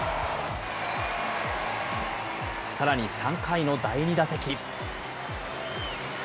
さらに３回の第２打席。